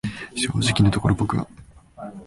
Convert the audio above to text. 正直のところ僕は、